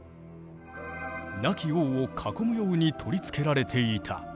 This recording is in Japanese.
亡き王を囲むように取り付けられていた。